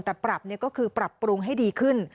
แต่ปรับก็คือปรับปรุงให้ดีขึ้น